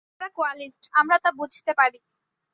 আমরা কোয়ালিস্ট, আমরা তা বুঝতে পারি।